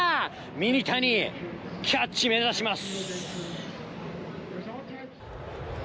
ミニタニ、キャッチ目指します。